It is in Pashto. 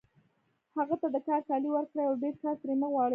هغه ته د کار کالي ورکړئ او ډېر کار ترې مه غواړئ